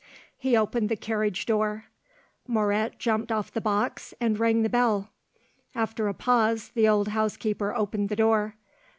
He opened the carriage door; Moret jumped off the box and rang the bell. After a pause the old housekeeper opened the door.